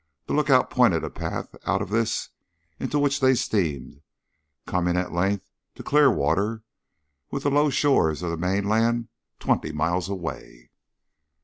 The lookout pointed a path out of this, into which they steamed, coming at length to clear water, with the low shores of the mainland twenty miles away.